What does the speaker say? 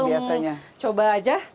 boleh kita langsung coba aja